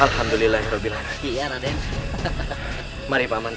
alhamdulillahirrohmanirrohim iya raden mari paman